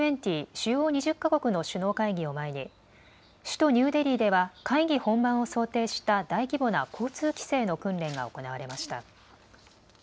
主要２０か国の首脳会議を前に首都ニューデリーでは会議本番を想定した大規模な交通規制の訓練が行われました。